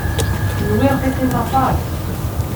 Kenwi rqiqit aṭas.